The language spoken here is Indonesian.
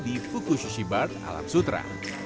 di fuku sushi bar alam sutera